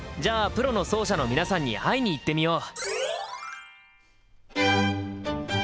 プロの奏者の皆さんに会いに行ってみよう！